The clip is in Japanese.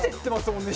もんね